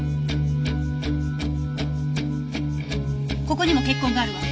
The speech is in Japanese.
ここにも血痕があるわ。